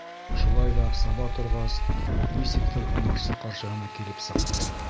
Шулай ҙа, саба торғас, нисектер һунарсы ҡаршыһына килеп сыҡты.